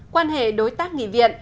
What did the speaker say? quan hệ đối tác nghị viện